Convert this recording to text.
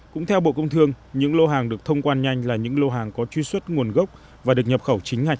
cũng theo bộ công thương những lô hàng được thông quan nhanh là những lô hàng có truy xuất nguồn gốc và được nhập khẩu chính ngạch